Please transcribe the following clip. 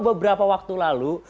beberapa waktu lalu